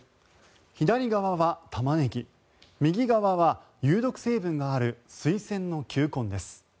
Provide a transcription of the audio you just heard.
左側はタマネギ右側は有毒成分があるスイセンの球根です。